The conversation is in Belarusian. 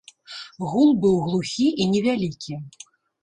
Гул быў глухі і невялікі.